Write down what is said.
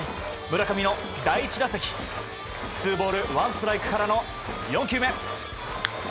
村上の第１打席ツーボールワンストライクからの１球目。